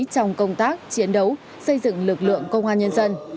trong công tác chiến đấu xây dựng lực lượng công an nhân dân